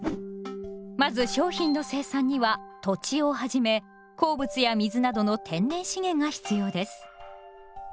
まず商品の生産には土地をはじめ鉱物や水などの天然資源が必要です。